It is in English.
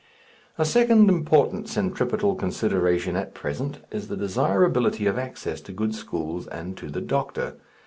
A second important centripetal consideration at present is the desirability of access to good schools and to the doctor.